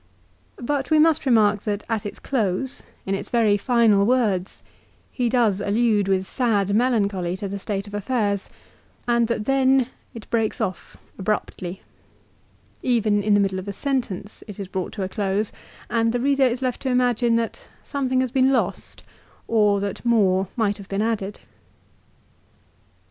But we must remark that at its close, in its very final words, he does allude with sad melancholy to the state of affairs, and that then it breaks off abruptly. Even in the middle of a sentence it is brought to a close, and the reader is left to imagine that some thing has been lost, or that more might have been added.